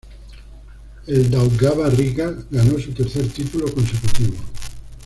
El Daugava Riga ganó su tercer título consecutivo.